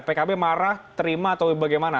pkb marah terima atau bagaimana